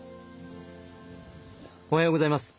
おはようございます。